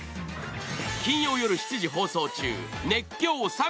金曜夜７時放送中、「熱狂！